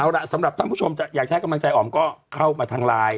เอาล่ะสำหรับท่านผู้ชมจะอยากใช้กำลังใจอ๋อมก็เข้ามาทางไลน์